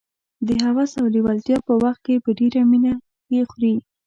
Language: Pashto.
د هوس او لېوالتیا په وخت کې په ډېره مینه یې خوري.